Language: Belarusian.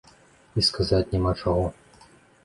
І сказаць няма чаго.